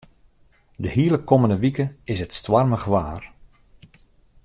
De hiele kommende wike is it stoarmich waar.